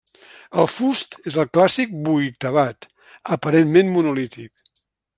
El fust és el clàssic vuitavat, aparentment monolític.